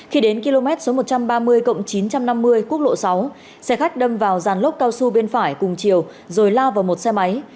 khi đến km số một trăm ba mươi chín trăm năm mươi quốc lộ sáu xe khách đâm vào dàn lốp cao su bên phải cùng chiều rồi lao vào một xe máy